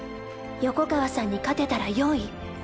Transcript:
横川さんに勝てたら４位。